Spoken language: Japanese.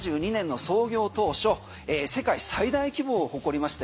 １８７２年の創業当初世界最大規模を誇りまして